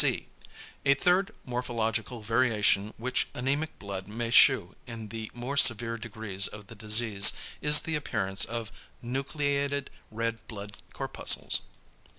C. A third morphological variation which anæmic blood may shew in the more severe degrees of the disease, is the appearance of =nucleated red blood corpuscles=.